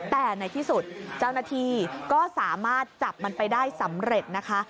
แต่ในที่สุดเจ้าหน้าที่ก็สามารถจับมันไปได้สำเร็จนะคะ